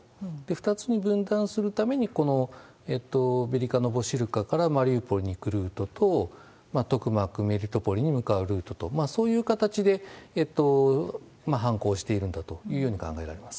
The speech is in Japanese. ２つに分断するために、このベリカノボシルカからマリウポリに来るルートと、トクマク、メリトポリに向かうルートと、そういう形で反攻しているんだというふうに考えられます。